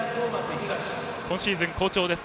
東今シーズン好調です。